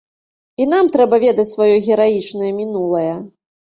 І нам трэба ведаць сваё гераічнае мінулае.